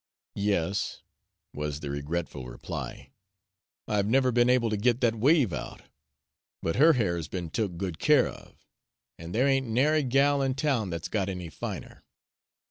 "Yes," was the regretful reply, "I've never be'n able to git that wave out. But her hair's be'n took good care of, an' there ain't nary gal in town that's got any finer."